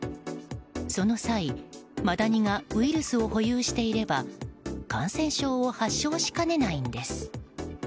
その際、マダニがウイルスを保有していれば感染症を発症しかねないんです。